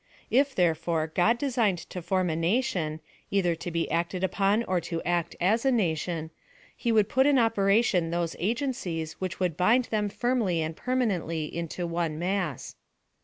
If, therefore, God designed to form a nation, either to be act 3d upon or to act as a nation, he would put in operation those agencies which would bind them firmly and permanently into one mass.